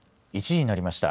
１時になりました。